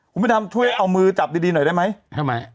คุณพระดำช่วยเอามือจับดีดีหน่อยได้ไหมทำไม